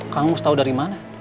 kang mus tau dari mana